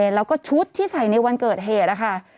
แล้วก็ชุดที่ใส่ในวันเกิดเหตุนะคะ